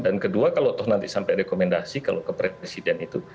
dan kedua kalau nanti sampai rekomendasi kalau ke presiden itu